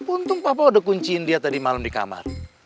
untung papa udah kunciin dia tadi malem di kamar